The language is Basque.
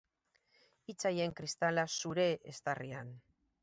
Hitz haien kristala zure eztarrian!